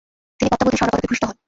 তিনি ‘পদ্মাবতী’ স্বর্ণপদকে ভূষিত হন।